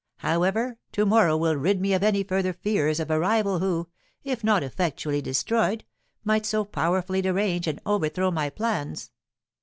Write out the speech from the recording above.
However, to morrow will rid me of any further fears of a rival who, if not effectually destroyed, might so powerfully derange and overthrow my plans.